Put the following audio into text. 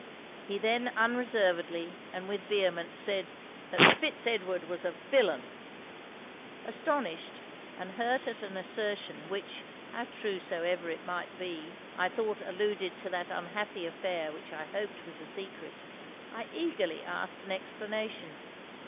'He then unreservedly, and with vehemence said, that Fitz Edward was a villain! Astonished and hurt at an assertion which (how true soever it might be) I thought alluded to that unhappy affair which I hoped was a secret, I eagerly asked an explanation.